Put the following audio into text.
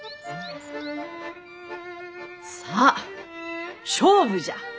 さあ勝負じゃ！